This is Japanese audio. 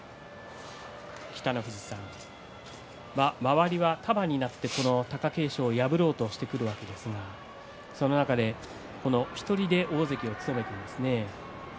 北の富士さん周りは束になって貴景勝を破ろうとしてくるわけですが、その中で１人で大関を務めていますね。